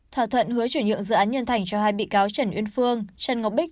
thỏa thuận hứa chuyển nhượng dự án nhân thành cho hai bị cáo trần uyên phương trần ngọc bích